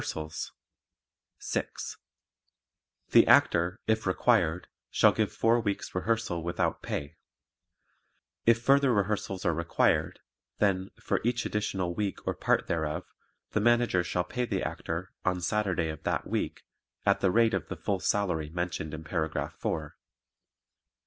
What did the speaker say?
Rehearsals 6. The Actor, if required, shall give four weeks' rehearsal without pay; if further rehearsals are required, then, for each additional week or part thereof, the Manager shall pay the Actor, on Saturday of that week, at the rate of the full salary mentioned in paragraph four.